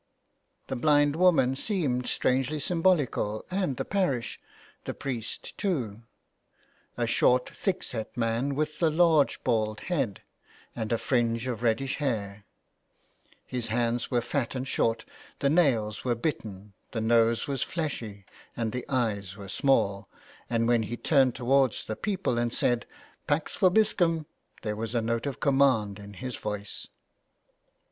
The blind woman seemed strangely symbolical and the parish, the priest too. A short, thick set man, with a large bald head and a fringe of reddish hair ; his hands were fat and short, the nails were bitten 206 JULIA CAHILL'S CURSE. the nose was fleshy and the eyes were small, and when he turned towards the people and said " Pax Vobiscum'' there was a note of command in his voice.